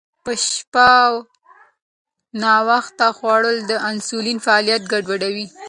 په شپه ناوخته خوړل د انسولین فعالیت ګډوډوي.